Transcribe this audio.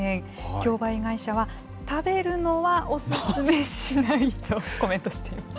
競売会社は、食べるのはお勧めしないとコメントしています。